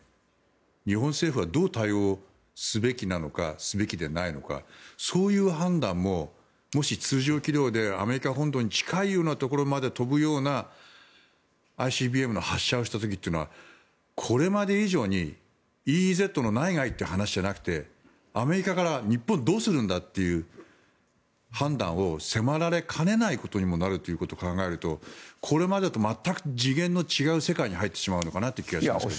日本政府はどう対応すべきなのかすべきでないのかそういう判断も、もし通常軌道でアメリカ本土に近いところにまで飛ぶようなＩＣＢＭの発射をした時というのはこれまで以上にＥＥＺの内外という話じゃなくてアメリカから日本どうするんだっていう判断を迫られかねないことにもなるということを考えるとこれまでと全く次元の違う世界に入ってしまうんじゃないかという気がしますけどね。